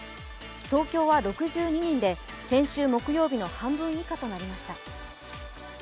東京は６２人で、先週木曜日の半分以下となりました。